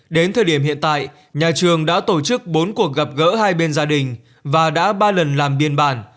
đến thời điểm hiện tại nhà trường đã tổ chức bốn cuộc gặp gỡ hai bên gia đình và đã ba lần làm biên bản